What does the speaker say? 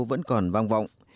vẫn còn vang vang